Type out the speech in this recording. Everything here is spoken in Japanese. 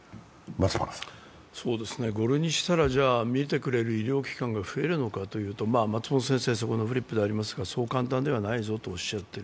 ５類にしたら診てくれる医療機関が増えるのかというと松本先生はそう簡単ではないぞとおっしゃっている。